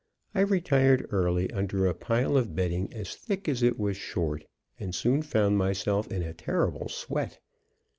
I retired early under a pile of bedding as thick as it was short, and soon found myself in a terrible sweat.